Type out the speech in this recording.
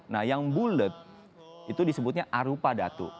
nah yang bulet itu disebutnya arupa datu